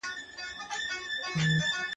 • اوس دي لا د حسن مرحله راغلې نه ده.